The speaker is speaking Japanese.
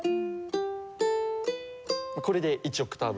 これで１オクターブ。